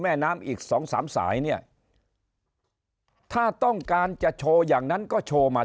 แม่น้ำอีกสองสามสายเนี่ยถ้าต้องการจะโชว์อย่างนั้นก็โชว์มา